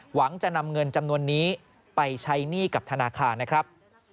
หวังจะนำเงินจำนวนนี้ไปใช้หนี้กับธนาคารนะครับ